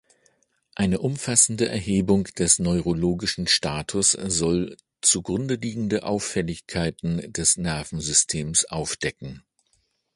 Eine umfassende Erhebung des neurologischen Status soll zugrundeliegende Auffälligkeiten des Nervensystems aufdecken.